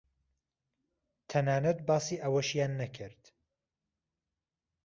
تەنانەت باسی ئەوەشیان نەکرد